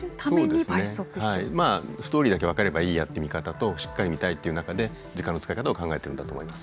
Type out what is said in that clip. まあストーリーだけ分かればいいやって見方としっかり見たいっていう中で時間の使い方を考えてるんだと思います。